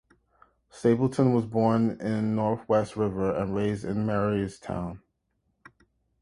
Stapleton was born in North West River and raised in Marystown.